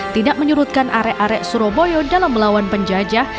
tidak menyurutkan arek arek surabaya dalam melawan penjajah